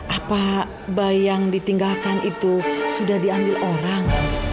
apa bayi yang ditinggalkan itu sudah diambil orang